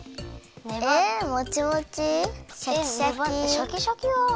シャキシャキは。